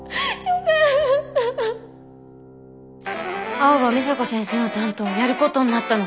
青葉美砂子先生の担当やることになったの。